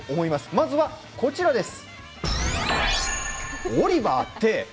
まずは、こちらです。